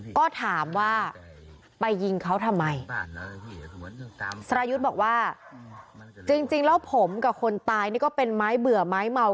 ก็ถามว่าไปยิงเขาทำไม